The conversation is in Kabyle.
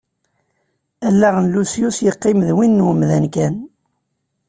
Allaɣ n Lusyus yeqqim d win n wemdan kan.